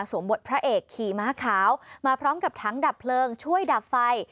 บทพระเอกขี่ม้าขาวมาพร้อมกับถังดับเพลิงช่วยดับไฟ